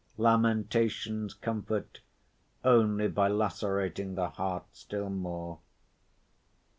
Lamentations comfort only by lacerating the heart still more.